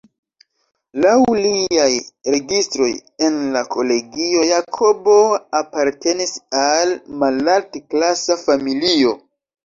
Laŭ liaj registroj en la kolegio, Jakobo apartenis al malalt-klasa familio.